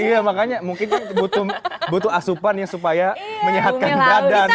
iya makanya mungkin butuh asupan ya supaya menyehatkan badan